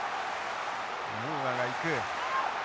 ムーアが行く。